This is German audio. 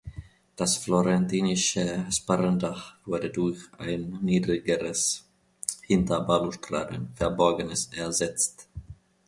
Das florentinische Sparrendach wurde durch ein niedrigeres, hinter Balustraden verborgenes ersetzt.